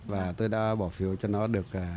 và tôi đã bỏ phiếu cho nó được